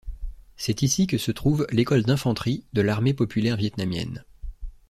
C'est ici que se trouve l'École d'Infanterie de l'armée populaire vietnamienne.